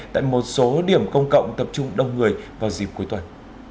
tại một số điểm công cộng tập trung đông người vào dịp cuối tuần